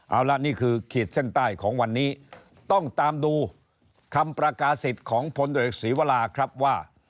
เอาละนี่คือขีดเส้นใต้ของวันนี้ต้องตามดูคำประกาศิษย์ของพลตรวจศรีวราครับว่า